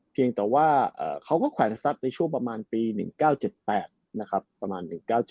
เพียงแต่ว่าเขาก็แขวนทรัพย์ในช่วงประมาณปี๑๙๗๘นะครับประมาณ๑๙๗